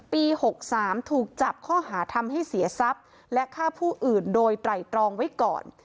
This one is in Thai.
๖๓ถูกจับข้อหาทำให้เสียทรัพย์และฆ่าผู้อื่นโดยไตรตรองไว้ก่อน